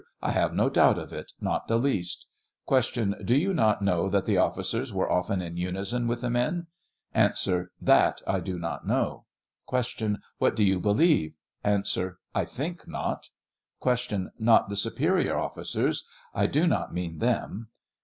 1 have no doubt of it ; not the least. Q. Do you not know thj\t the ofiScers were often in unison with the men ? A. That I do not know. Q. What do you believe ? A. I think not. Q. Not the superior officers ; I do not mean them